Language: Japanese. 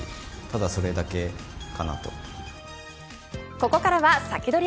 ここからはサキドリ！